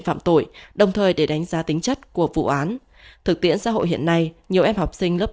phạm tội đồng thời để đánh giá tính chất của vụ án thực tiễn xã hội hiện nay nhiều em học sinh lớp